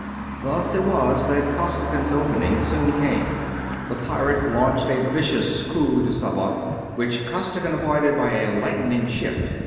Thus it was that Costigan's opening soon came. The pirate launched a vicious coup de sabot, which Costigan avoided by a lightning shift.